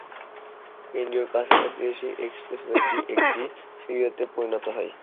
ইনডিওর কাছাকাছি এসে এক্সপ্রেসওয়েটি একটি ফ্রিওয়েতে পরিণত হয়।